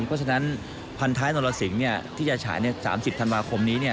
เพราะฉะนั้นพันท้ายนรสิงที่จะฉาย๓๐ธันวาคมนี้